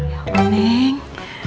ya allah neng